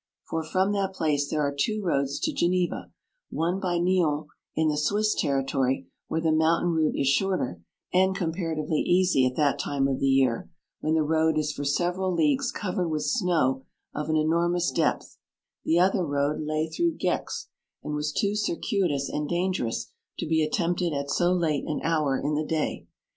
For from that place there are two roads to Geneva ; one by Nion, in the Swiss territory, where the mountain route is shorter, and comparatively easy at that time of the year, when the road is for several leagues covered with snow of an enormous depth ; the other road lay 92 through Gex, and was too circuitous and dangerous to be attempted at so late an hour in the day.